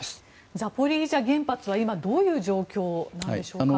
ザポリージャ原発は今、どういう状況なんでしょう。